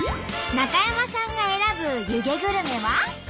中山さんが選ぶ湯気グルメは？